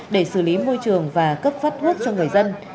để xử lý môi trường và cấp phát thuốc cho người dân